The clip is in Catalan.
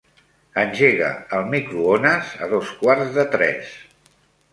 Engega el microones a dos quarts de tres.